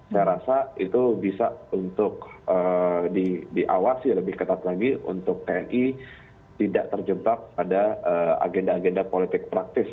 saya rasa itu bisa untuk diawasi lebih ketat lagi untuk tni tidak terjebak pada agenda agenda politik praktis